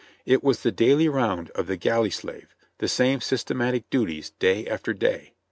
It was the daily round of the galley slave ; the same systematic duties day after day.